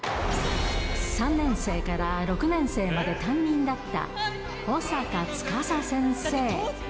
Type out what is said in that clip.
３年生から６年生まで担任だった保坂司先生。